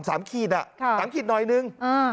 สามขีดอ่ะสามขีดหน่อยนึงอืม